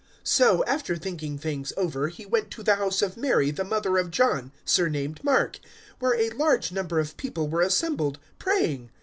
012:012 So, after thinking things over, he went to the house of Mary, the mother of John surnamed Mark, where a large number of people were assembled, praying.